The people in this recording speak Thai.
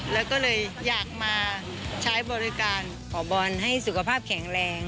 แล้วก็เลยอยากมาใช้บริการขอบอลให้สุขภาพแข็งแรง